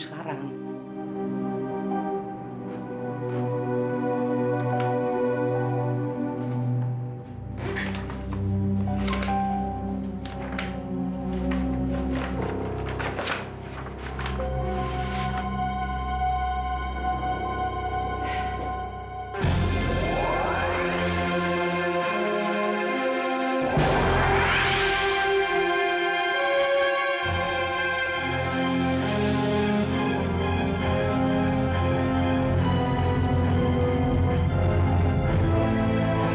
bagaimana ibu sekarang